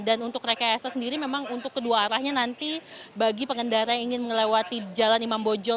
dan untuk rekayasa sendiri memang untuk kedua arahnya nanti bagi pengendara yang ingin melewati jalan imam bonjol